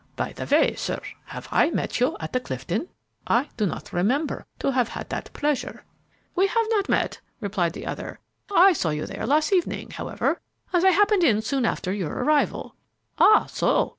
By the way, sir, have I met you at the Clifton? I do not remember to have had that pleasure." "We have not met," replied the other. "I saw you there last evening, however, as I happened in soon after your arrival." "Ah, so?